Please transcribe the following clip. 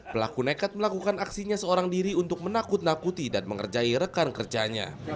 pelaku nekat melakukan aksinya seorang diri untuk menakut nakuti dan mengerjai rekan kerjanya